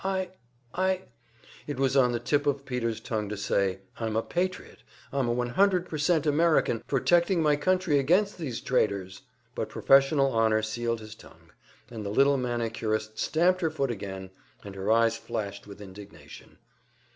I I " It was on the tip of Peter's tongue to say, "I'm a patriot! I'm a 100% American, protecting my country against these traitors!" But professional honor sealed his tongue, and the little manicurist stamped her foot again, and her eyes flashed with indignation.